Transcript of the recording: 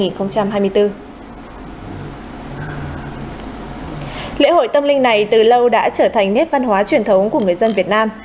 lễ hội tâm linh này từ lâu đã trở thành nét văn hóa truyền thống của người dân việt nam